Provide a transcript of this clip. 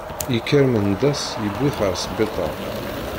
Yekker Mendas yewwi-t ɣer sbiṭar.